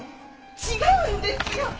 違うんですよ！